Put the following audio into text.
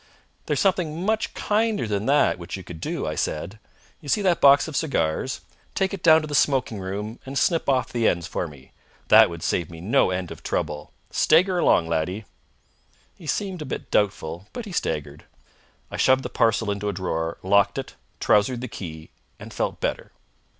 "There's something much kinder than that which you could do," I said. "You see that box of cigars? Take it down to the smoking room and snip off the ends for me. That would save me no end of trouble. Stagger along, laddie." He seemed a bit doubtful; but he staggered. I shoved the parcel into a drawer, locked it, trousered the key, and felt better.